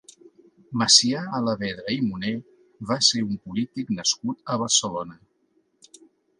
Macià Alavedra i Moner va ser un polític nascut a Barcelona.